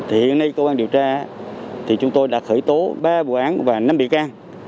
hiện nay công an điều tra chúng tôi đã khởi tố ba vụ án và năm bị can